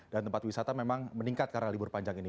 dan tempat wisata memang meningkat karena libur panjang ini